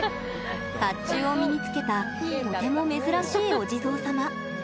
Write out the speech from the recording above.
かっちゅうを身に着けたとても珍しいお地蔵様。